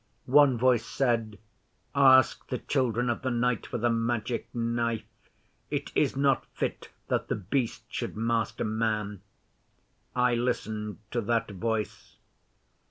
One voice said, "Ask the Children of the Night for the Magic Knife. It is not fit that The Beast should master man." I listened to that voice.